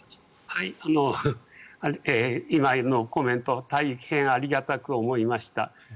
今のコメント大変ありがたく思いました。